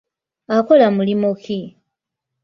Akola mulimu ki?